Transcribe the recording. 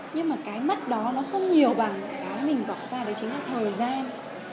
nhưng mà cái mất đó nó không nhiều bằng cái mình bỏ ra đấy chính là thời gian